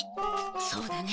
そうだね。